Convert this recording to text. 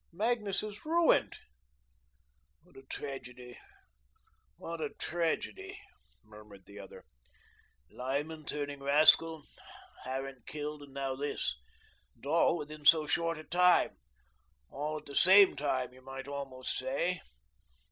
Magnus is ruined." "What a tragedy! what a tragedy!" murmured the other. "Lyman turning rascal, Harran killed, and now this; and all within so short a time all at the SAME time, you might almost say."